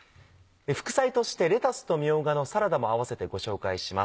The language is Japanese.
副菜として「レタスとみょうがのサラダ」も合わせてご紹介します。